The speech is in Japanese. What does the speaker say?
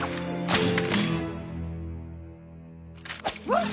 あっ！